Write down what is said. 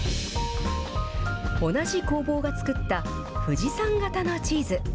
同じ工房が作った、富士山形のチーズ。